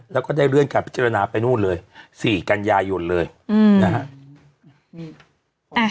แล้วก็ได้เลื่อนการพิจารณาไปนู่นเลย๔กันยายนเลยอืมนะฮะ